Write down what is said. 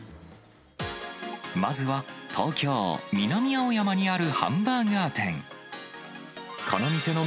まずは、東京・南青山にあるハンバーガー店。